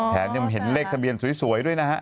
แถมยังเห็นเลขทะเบียนสวยด้วยนะฮะ